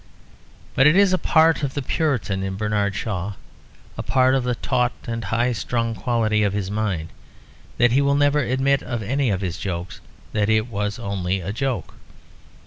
But it is a part of the Puritan in Bernard Shaw, a part of the taut and high strung quality of his mind, that he will never admit of any of his jokes that it was only a joke.